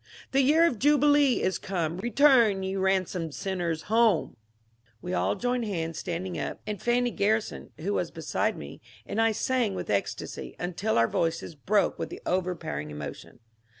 The year of jubilee is come; Return, ye ransom'd sinners, home I We all joined hands, standing up, and Fanny Garrison (who was beside me) and I sang with ecstasy, until our voices broke with the overpowering emotion.